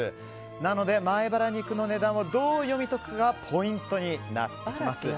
なので、前バラ肉の値段をどう読み解くのかがポイントになってきます。